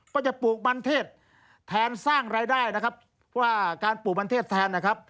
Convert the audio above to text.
ปลูกมันเทศแทนสร้างรายได้นะครับว่าการปลูกมันเทศแทนนะครับ